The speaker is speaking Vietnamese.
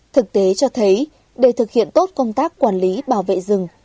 thực tế cho thấy để thực hiện tốt công tác quản lý bảo vệ rừng